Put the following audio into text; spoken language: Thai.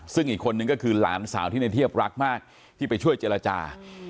ซึ่งอีกคนนึงก็คือหลานสาวที่ในเทียบรักมากที่ไปช่วยเจรจา